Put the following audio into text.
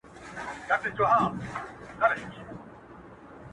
چي پرې تايٌید د میني ولګوم داغ یې کړمه,